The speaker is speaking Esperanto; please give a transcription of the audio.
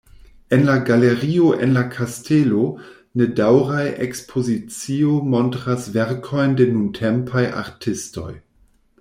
En la "Galerio en la kastelo" nedaŭraj ekspozicioj montras verkojn de nuntempaj artistoj.